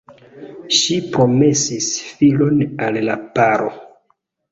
Ŝi promesis filon al la paro.